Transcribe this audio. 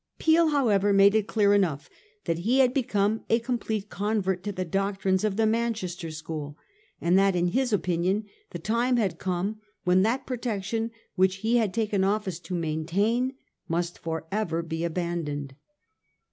Peel, however, made it clear enough that he had become a complete convert to the doctrines of the Manchester school, and that in his opinion the time had come when that protection which he had taken office to maintain must for ever be abandoned.